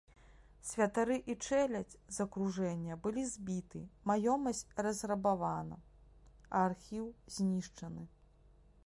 Святары і чэлядзь з акружэння былі збіты, маёмасць разрабавана, а архіў знішчаны.